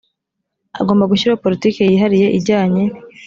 agomba gushyiraho politiki yihariye ijyanye